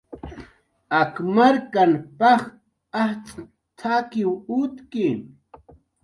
"Ak markan paj ajtz' t""akiw utki"